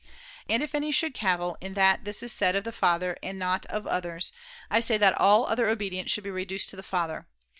And if any should cavil, in that this is said of the father and [170J not of others, I say that all other obedience should be reduced to the father.